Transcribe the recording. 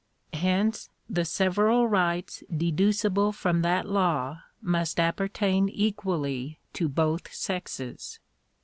Hence the several rights deducible from that law must apper tain equally to both sexes.